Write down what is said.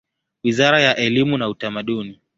Wizara ya elimu na Utamaduni.